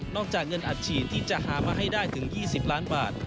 จากเงินอัดฉีดที่จะหามาให้ได้ถึง๒๐ล้านบาท